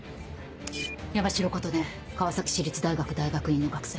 山城琴音川崎市立大学大学院の学生。